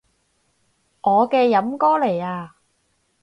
我嘅飲歌嚟啊